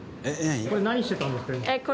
これ何してたんですか？